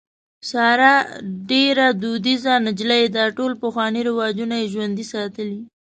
ساره ډېره دودیزه نجلۍ ده. ټول پخواني رواجونه یې ژوندي ساتلي.